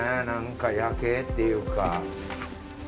何か夜景っていうか。